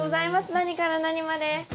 何から何まで。